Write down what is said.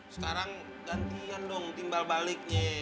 sekarang gantian dong timbal baliknya